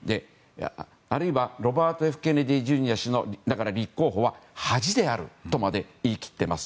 あるいは、ロバート・Ｆ・ケネディ・ジュニア氏の立候補は恥であるとまで言い切っています。